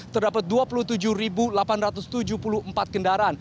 terdapat dua puluh tujuh delapan ratus tujuh puluh empat kendaraan